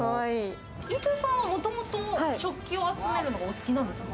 飯豊さんはもともと食器を集めるのがお好きなんですか。